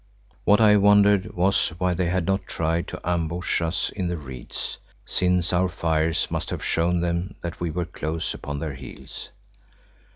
What I wondered was why they had not tried to ambush us in the reeds, since our fires must have shown them that we were close upon their heels.